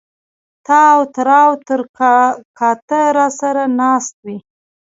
تااو تراو تر کا ته را سر ه ناست وې